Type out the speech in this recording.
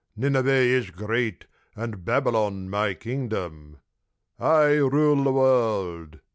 Nineveh is great and Babylon my Kingdom. I rule the world.